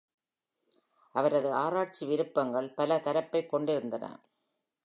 அவரது ஆராய்ச்சி விருப்பங்கள் பலதரப்பைக் கொண்டிருந்தன.